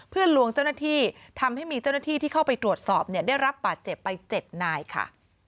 เพื่อลวงเจ้าหน้าที่ทำให้มีเจ้าหน้าที่ที่เข้าไปตรวจสอบเนี่ยได้รับบาดเจ็บไป๗นายค่ะ